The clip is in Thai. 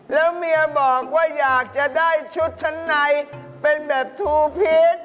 แล้วเมียบอกว่าอยากจะได้ชุดชั้นในเป็นแบบทูพีช